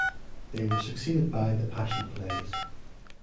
They were succeeded by the Passion Plays.